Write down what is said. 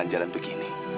jangan jalan begini